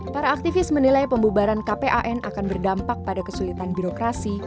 para aktivis menilai pembubaran kpan akan berdampak pada kesulitan birokrasi